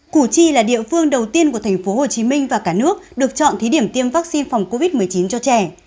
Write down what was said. củ chi là địa phương đầu tiên của thành phố hồ chí minh và cả nước được chọn thí điểm tiêm vaccine phòng covid một mươi chín cho trẻ